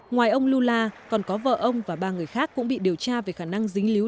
ngoài ông lula còn có vợ ông và ba người khác cũng bị điều tra về khả năng dính líu